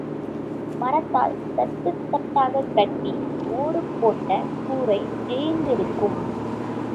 மரத்தால் தட்டுத் தட்டாகக் கட்டி ஓடு போட்ட கூரை வேய்ந்திருக்கும்.